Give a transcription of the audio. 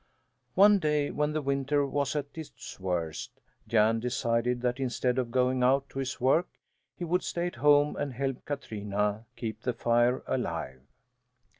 One day, when the winter was at its worst, Jan decided that instead of going out to his work he would stay at home and help Katrina keep the fire alive.